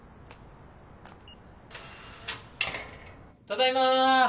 ただいま。